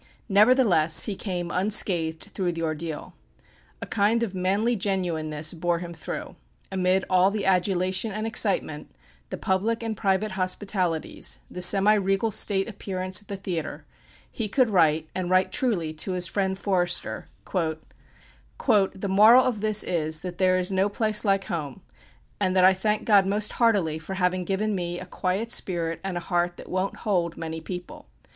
Nevertheless he came unscathed through the ordeal. A kind of manly genuineness bore him through. Amid all the adulation and excitement, the public and private hospitalities, the semi regal state appearance at the theatre, he could write, and write truly, to his friend Forster: "The moral of this is, that there is no place like home; and that I thank God most heartily for having given me a quiet spirit and a heart that won't hold many people.